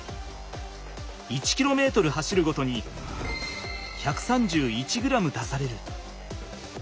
１ｋｍ走るごとに１３１ｇ出される。